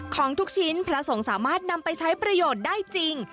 ของทุกชิ้นพระสงฆ์สามารถนำไปใช้ประโยชน์ได้จริง